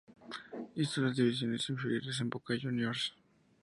Hizo las divisiones inferiores en Boca Juniors.